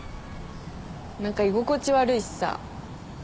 何か居心地悪いしさ。